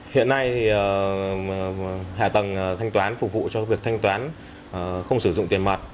hiện nay thì hạ tầng thanh toán phục vụ cho việc thanh toán không sử dụng tiền mật